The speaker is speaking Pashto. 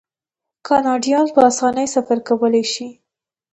کاناډایان په اسانۍ سفر کولی شي.